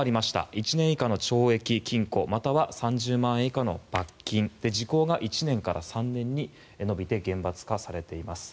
１年以下の懲役・禁錮または３０万円以下の罰金で時効が１年から３年に延びて厳罰化されています。